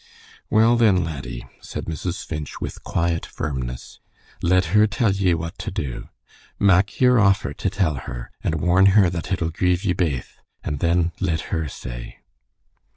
"Well, then, laddie," said Mrs. Finch, with quiet firmness, "let her tell ye what to do. Mak ye're offer to tell her, and warn her that it'll grieve ye baith, and then let her say."